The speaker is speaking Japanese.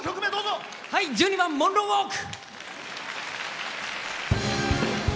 １２番「モンロー・ウォーク」。